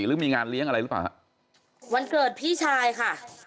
หรือมีงานเลี้ยงอะไรหรือเปล่าฮะวันเกิดพี่ชายค่ะ